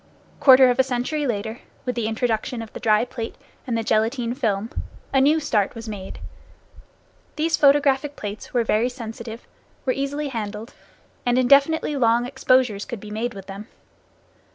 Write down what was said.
Quarter of a century later, with the introduction of the dry plate and the gelatine film, a new start was made. These photographic plates were very sensitive, were easily handled, and indefinitely long exposures could be made with them.